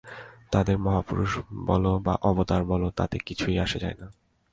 তাঁদের মহাপুরুষ বল বা অবতার বল, তাতে কিছুই আসে যায় না।